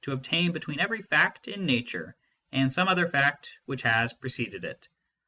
obtain between every fact in nature and some other fact which has preceded it."